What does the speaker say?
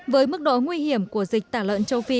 với mức độ nguy hiểm của dịch tả lợn châu phi